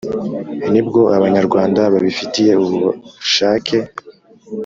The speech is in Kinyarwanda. nibwo abanyarwanda babifitiye ubushake